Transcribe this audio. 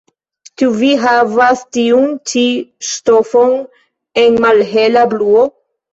Ĉu vi havas tiun ĉi ŝtofon en malhela bluo?